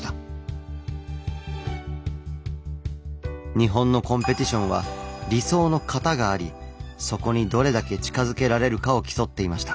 日本のコンペティションは「理想の型」がありそこにどれだけ近づけられるかを競っていました。